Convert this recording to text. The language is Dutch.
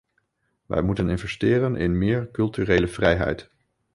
Wij moeten investeren in meer culturele vrijheid.